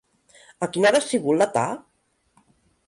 A quina hora ha sigut l'atac?